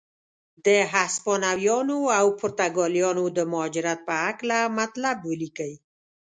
د هسپانویانو او پرتګالیانو د مهاجرت په هکله مطلب ولیکئ.